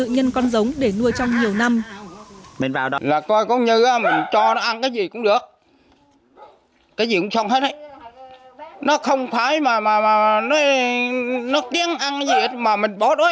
nhưng con rông để nuôi trong nhiều năm